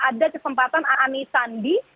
ada kesempatan anies sandi